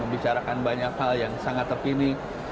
bicarakan banyak hal yang sangat terpilih